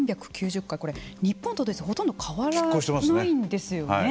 これ日本とドイツほとんど変わらないんですよね。